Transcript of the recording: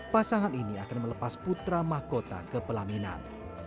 pasangan ini akan melepas putra mahkota kepelaminan